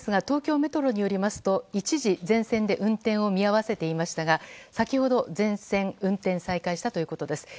東京メトロによりますと一時、全線で運転を見合わせていましたが先ほど全線で運転再開したということです。